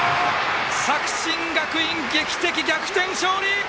作新学院、劇的逆転勝利！